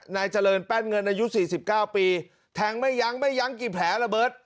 นายเจริญแป้นเงินอายุ๔๙ปีแทงไม่ยั้งไม่ยั้งกี่แผลระเบิร์ต